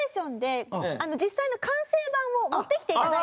実際の完成版を持ってきて頂いてます。